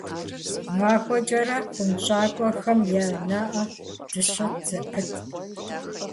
МахуэкӀэрэ хъунщӀакӀуэхэм я нэӀэ дыщӀэт зэпытт.